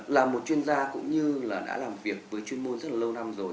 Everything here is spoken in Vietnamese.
là một chuyên gia cũng như là đã làm việc với chuyên môn rất là lâu năm rồi